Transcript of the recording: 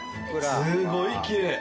すごいきれい。